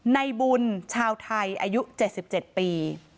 ในบุญชาวไทยอายุ๗๗ปี